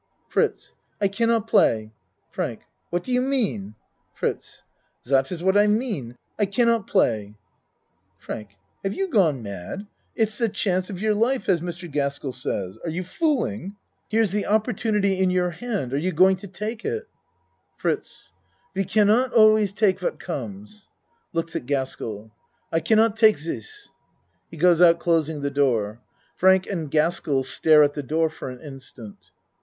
FRITZ I cannot play. FRANK What do you mean? FRITZ Dot is what I mean. I cannot play. FRANK Have you gone mad? It's the chance of your life, as Mr. Gaskell says. Are you fooling? Here's the opportunity in your hand are you go ACT II 71 ing to take it? FRITZ We cannot always take what comes. (Looks at Cask ell.) I cannot take dis. (He goes out closing the door. Frank and Gaskell stare at the door for an instant.)